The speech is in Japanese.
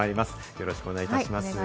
よろしくお願いします。